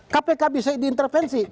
kpk bisa diintervensi